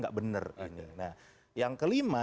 gak bener ini yang kelima